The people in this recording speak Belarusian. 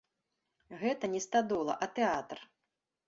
Гэта не стадола, а тэатр.